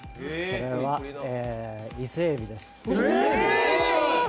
それは伊勢エビです。